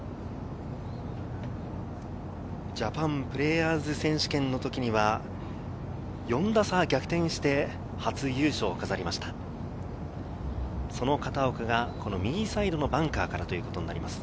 ジャパンプレーヤーズ選手権の時には、４打差で逆転して、初優勝を飾りました。